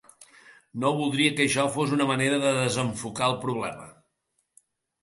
No voldria que això fos una manera de desenfocar el problema.